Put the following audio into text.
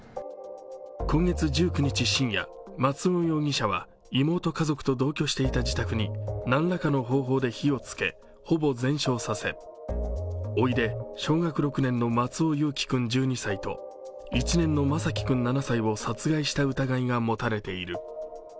今月１９日深夜、松尾容疑者は妹家族と同居していた自宅に何らかの方法で火をつけ、ほぼ全焼させおいで小学６年生の松尾侑城君１２歳と、１年の眞輝君７歳を殺害した疑いが持たれている。